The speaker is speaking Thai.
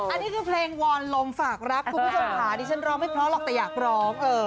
อันนี้คือเพลงวอนลมฝากรักคุณผู้ชมค่ะดิฉันร้องไม่เพราะหรอกแต่อยากร้อง